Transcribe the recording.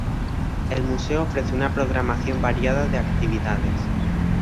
El museo ofrece una programación variada de actividades.